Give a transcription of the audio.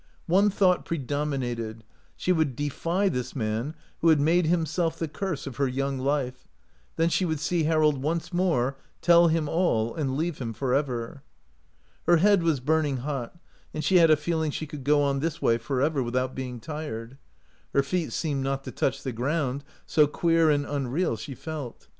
One thought predominated : she would defy this man^vho had made himself the curse of her young life, then she would see Harold once more, tell him all, and leave him forever. Her head was burning hot, and she had a feeling she could go on this way forever without being tired ; her feet seemed not to touch the ground, so queer and unreal she felt.